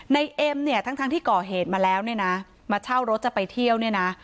เอ็มเนี่ยทั้งที่ก่อเหตุมาแล้วเนี่ยนะมาเช่ารถจะไปเที่ยวเนี่ยนะ